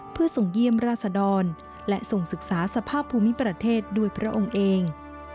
เพื่อส่งเยี่ยมราชดรและส่งศึกษาสภาพภูมิประเทศด้วยพระองค์เอง